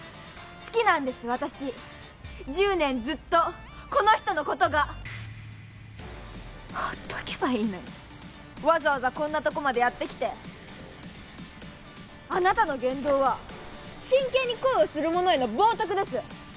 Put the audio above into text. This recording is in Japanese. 好きなんです私１０年ずっとこの人のことがほっとけばいいのにわざわざこんなとこまでやってきてあなたの言動は真剣に恋をする者への冒とくです